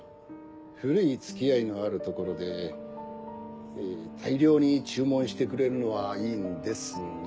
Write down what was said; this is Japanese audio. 古い付き合いのあるところで大量に注文してくれるのはいいんですが。